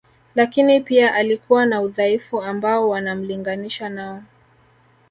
Lakini pia alikuwa na udhaifu ambao wanamlinganisha nao